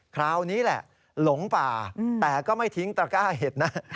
คราวนี้แหละหลงป่าแต่ก็ไม่ทิ้งตระก้าเห็ดนะ